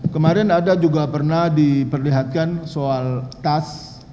kemarin ada juga pernah diperlihatkan soal tas